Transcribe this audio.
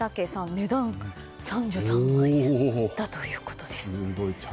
値段は３３万円だということです。